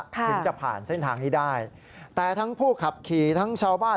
ถึงจะผ่านเส้นทางนี้ได้แต่ทั้งผู้ขับขี่ทั้งชาวบ้าน